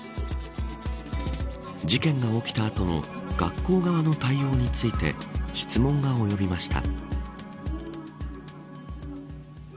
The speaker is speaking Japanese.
事件が起きた後の学校側の対応について質問が及びました。